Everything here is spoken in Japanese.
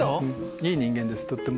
いい人間ですとっても。